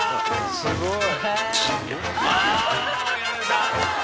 すごい。